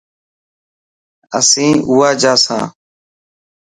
اسين اواجا سان.